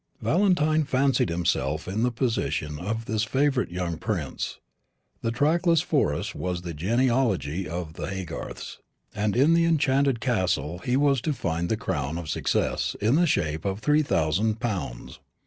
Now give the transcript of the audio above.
Valentine fancied himself in the position of this favourite young prince. The trackless forest was the genealogy of the Haygarths; and in the enchanted castle he was to find the crown of success in the shape of three thousand pounds.